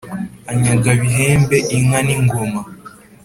anyaga bihembe inka n’ingoma